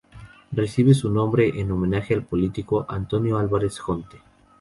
Recibe su nombre en homenaje al político Antonio Álvarez Jonte.